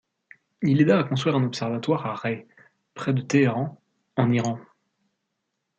Il aida à construire un observatoire à Ray, près de Téhéran, en Iran.